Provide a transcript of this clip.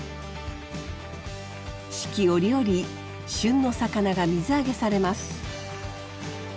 四季折々旬の魚が水揚げされます。